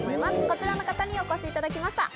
こちらの方にお越しいただきました。